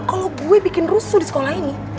kalau gue bikin rusuh di sekolah ini